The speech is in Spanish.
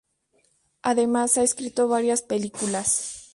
Además ha escrito varias películas.